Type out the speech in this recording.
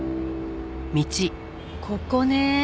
ここね。